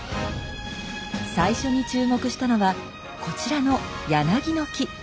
最初に注目したのはこちらの柳の木。